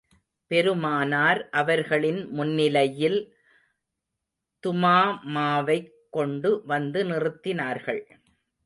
பெருமானார் அவர்களின் முன்னிலையில், துமாமாவைக் கொண்டு வந்து நிறுத்தினார்கள்.